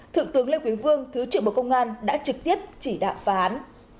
thượng tướng lê quyến vương thứ trưởng bộ công an đã trực tiếp chỉ đạp phá án